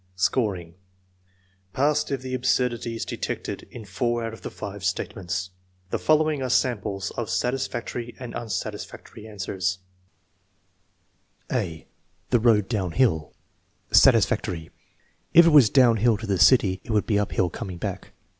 Scoring. Passed if the absurdity is detected in four out of the five statements. The following are samples of satis factory and unsatisfactory answers : (a) The road downhill Satisfactory. "If it was downhill to the city it would be uphill coming back."